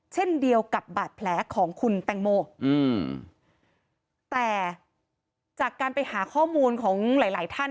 เช่นเดียวกับบาดแผลของคุณแตงโมอืมแต่จากการไปหาข้อมูลของหลายหลายท่าน